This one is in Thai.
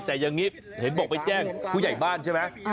แต่อย่างนี้เห็นบอกไปแจ้งผู้ใหญ่บ้านใช่ไหม